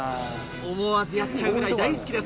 思わずやっちゃうぐらい大好きです